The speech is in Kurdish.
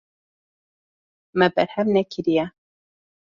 Me berhev nekiriye.